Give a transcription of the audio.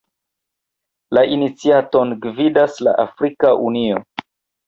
La iniciaton gvidas la Afrika Unio.